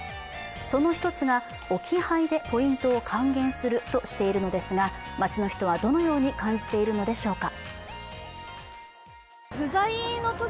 その１つが置き配でポイントを還元するとしているのですが街の人はどのように感じているのでしょうか。